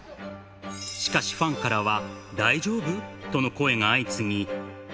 しかしファンからは、大丈夫？との声が相次ぎ。